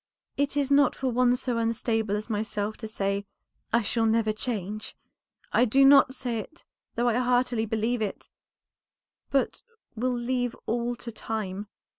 "It is not for one so unstable as myself to say, 'I shall never change.' I do not say it, though I heartily believe it, but will leave all to time.